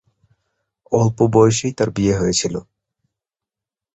অল্প বয়সেই তার বিয়ে হয়েছিল।